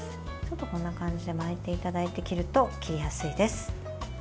こんな感じで巻いていただいて切ると切りやすいです。